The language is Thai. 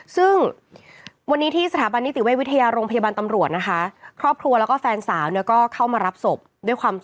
ซึ่งวันนี้ที่สถาบันนิติเวชวิทยาโรงพยาบาลตำรวจนะคะครอบครัวแล้วก็แฟนสาวเนี่ยก็เข้ามารับศพด้วยความ